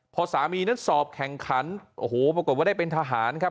พอสามีนั้นสอบแข่งขันโอ้โหปรากฏว่าได้เป็นทหารครับ